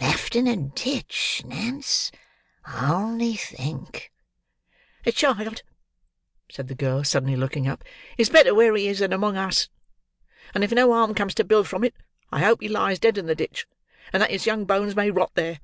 Left in a ditch, Nance; only think!" "The child," said the girl, suddenly looking up, "is better where he is, than among us; and if no harm comes to Bill from it, I hope he lies dead in the ditch and that his young bones may rot there."